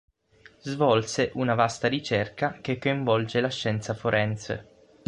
Svolse una vasta ricerca che coinvolge la scienza forense.